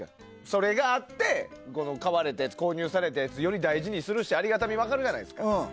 それがあって購入されたやつをより大事にするしありがたみも湧くじゃないですか。